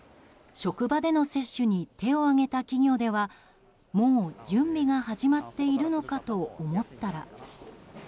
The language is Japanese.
職場での接種に手を挙げた企業ではもう準備が始まっているのかと思ったら。